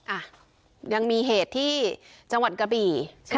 อ้ายังมีเหตุที่จังหวัดกระบีใช่ปะคะ